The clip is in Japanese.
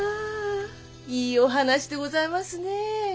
いいお話でございますねえ。